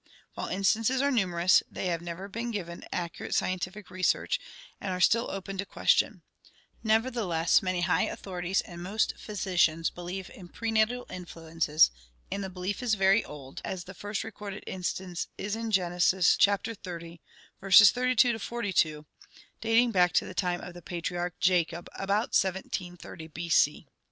While instances are numerous, they have never been given accu rate scientific research and are still open to question; nevertheless, many high authorities and most physicians believe in prenatal influence and the belief is very old, as the first recorded instance is in Genesis XXX, 32 42, dating back to the time of the patriarch Jacob, about 1 730 b. c.